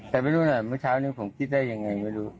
แต่ไม่รู้หน่อยเมื่อเช้านี้ผมคิดได้ยังไงไม่รู้